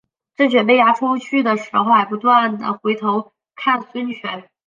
郑泉被押出去的时候还不停回头看孙权。